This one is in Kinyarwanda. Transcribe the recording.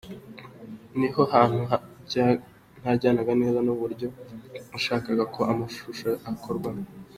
Ni ho hantu hajyanaga neza n’uburyo nashakaga ko amashusho akorwamo.